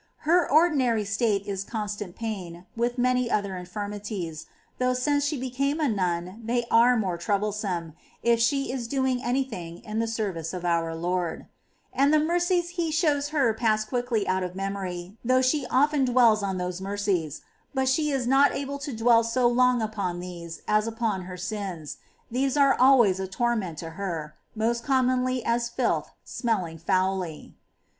Her ordi nary state is constant pain, with many other infirmities, though since she became a nun they are more troublesome, if she is doing any thing in the service of our Lord. And the mercies He shows her pass quickly out of memory, though she often ' Life, ch. xxvi. § 6, ^§ 4. 3 Z//e,ch. XXV. § 19. ^ Life,Q\\. xxv. § 22. 420 8. TERESA'S RELATIONS [rEL. VII. dwells on those mercies, — but she is not able to dwell so long upon these as upon her sins ; these are always a torment to her, most commonly as filth smelling foully.